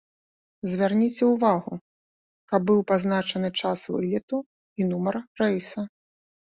Звярніце ўвагу, каб быў пазначаны час вылету і нумар рэйса.